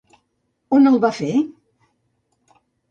On el va fer?